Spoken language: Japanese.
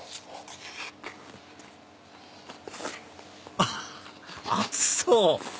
あっ熱そう！